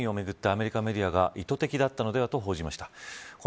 アメリカメディアが意図的だったのではと報道しました。